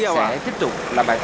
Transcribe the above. sẽ tiếp tục là bài hỏi